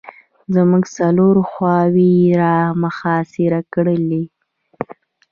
زموږ څلور خواوې یې را محاصره کړلې.